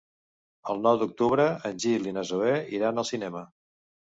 El nou d'octubre en Gil i na Zoè iran al cinema.